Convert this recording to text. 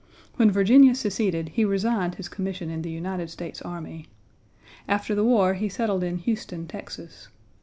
When Virginia seceded, he resigned his commission in the United States Army. After the war he settled in Houston, Texas.